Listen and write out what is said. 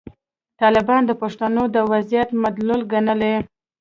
طالبان د پښتنو د وضعیت مدلول ګڼلي.